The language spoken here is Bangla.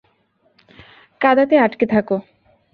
কাদাতে আটকে থাকো।